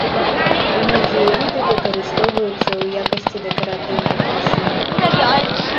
Многія віды выкарыстоўваюцца ў якасці дэкаратыўных раслін.